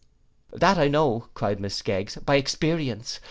_; 'That I know,' cried Miss Skeggs, 'by experience.